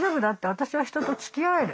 私は人とつきあえる。